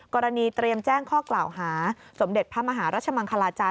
เตรียมแจ้งข้อกล่าวหาสมเด็จพระมหารัชมังคลาจาร